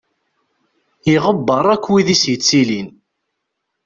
Iɣebbeṛ akk wid i s-yettilin.